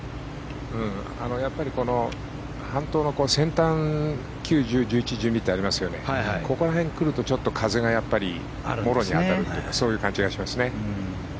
やっぱり半島の先端９、１０、１１、１２ってありますけど、ここら辺に来ると風がやっぱりもろに当たるという感じがしますね。